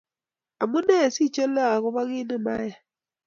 Amunee sichole akoba kit ne meyai?